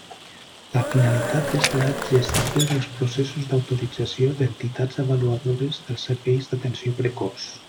La finalitat és la gestió dels processos d'autorització d'entitats avaluadores dels serveis d'atenció precoç.